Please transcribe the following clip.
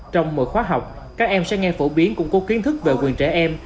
trong mỗi khóa học các em sẽ nghe phổ biến củng cố kiến thức về quyền trẻ em